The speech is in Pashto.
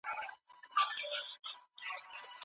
د مېرمنو نړیواله ورځ په دې ورځ موږ د مېرمنو هڅې ستایو